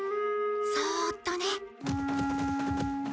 そーっとね。